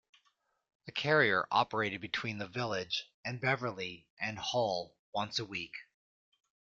A carrier operated between the village and Beverley and Hull once a week.